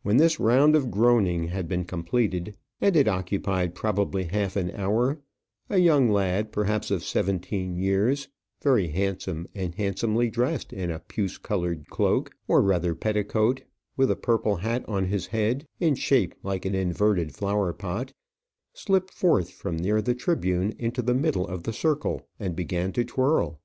When this round of groaning had been completed and it occupied probably half an hour a young lad, perhaps of seventeen years, very handsome, and handsomely dressed in a puce coloured cloak, or rather petticoat, with a purple hat on his head, in shape like an inverted flower pot, slipped forth from near the tribune into the middle of the circle, and began to twirl.